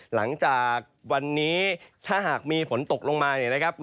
หลังจากวันนี้ถ้าหากมีฝนตกลงมาเนี่ยนะครับ